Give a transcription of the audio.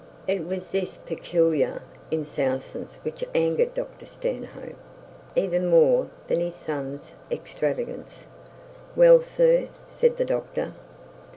It was this peculiar insouciance which angered Dr Stanhope, even more than his son's extravagance. 'Well, sir,' said the doctor.